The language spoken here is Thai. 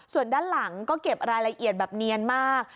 ส่วนด้านหลังก็เก็บรายละเอียดแบบเนียนมาก